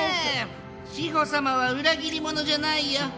志法様は裏切り者じゃないよ。